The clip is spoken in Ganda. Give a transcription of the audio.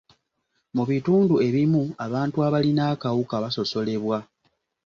Mu bitundu ebimu, abantu abalina akawuka basosolebwa.